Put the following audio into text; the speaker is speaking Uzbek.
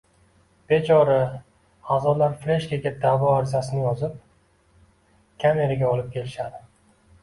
Bechora a'zolar fleshkaga da'vo arizasini yozib, kameraga olib kelishadi